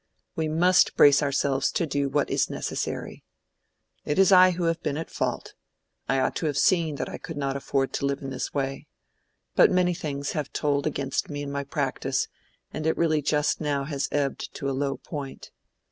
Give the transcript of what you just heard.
"We must brace ourselves to do what is necessary. It is I who have been in fault: I ought to have seen that I could not afford to live in this way. But many things have told against me in my practice, and it really just now has ebbed to a low point.